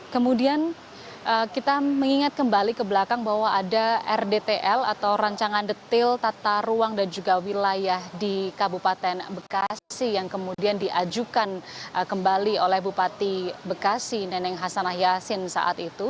kemudian kita mengingat kembali ke belakang bahwa ada rdtl atau rancangan detil tata ruang dan juga wilayah di kabupaten bekasi yang kemudian diajukan kembali oleh bupati bekasi neneng hasanah yasin saat itu